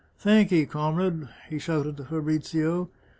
" Thankye, comrade," he shouted to Fabrizio.